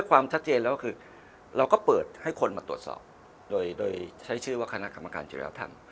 มาตรวจสอบโดยใช้ชื่อว่าคณะกรรมการจิตรวจสอบ